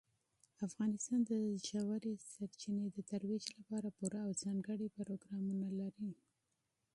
افغانستان د ژورې سرچینې د ترویج لپاره پوره او ځانګړي پروګرامونه لري.